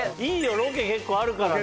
ロケ結構あるからね。